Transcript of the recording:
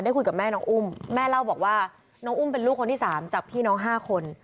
คุยกับแม่น้องอุ้มแม่เล่าบอกว่าน้องอุ้มเป็นลูกคนที่๓จากพี่น้อง๕คน